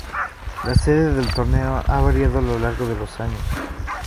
La sede del torneo ha variado a lo largo de los años.